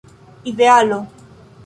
idealo